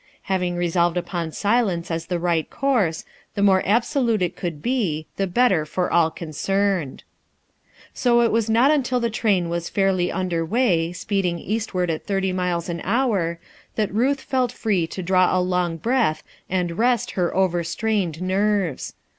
Having resolved upon silence as the right course, the more absolute it could be, the better for all concerned. So it was not until the train was fairly under way, speeding eastward at thirty miles an hour, that Ruth felt free to draw a long breath and rest her overstrained nerves.